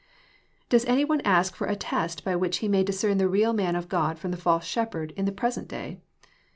Does any one ask for a test by which he may discern the real man of God from the false shepherd in the present day